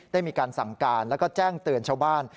ได้มีการสั่งการแล้วก็แจ้งเตือนชาวบ้าน